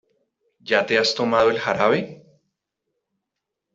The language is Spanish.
¿Ya te has tomado el jarabe?